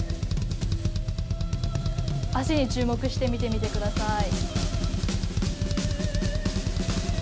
「足に注目して見てみてください」